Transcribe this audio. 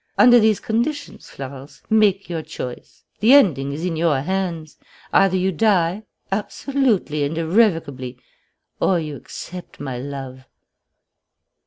Under these conditions, Florence, make your choice. The ending is in your own hands: either you die, absolutely and irrevocably, or you accept my love."